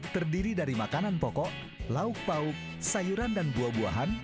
terdiri dari makanan pokok lauk pauk sayuran dan buah buahan